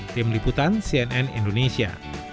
tim liputan cnn indonesia